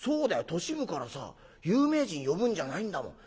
都市部からさ有名人呼ぶんじゃないんだもん。